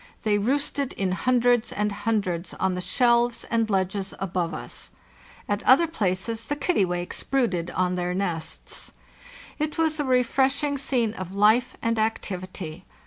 They roosted in hundreds and hundreds on the shelves and ledges above us; at other places the kittiwakes brooded on their nests. It was a refreshing scene of life and activity.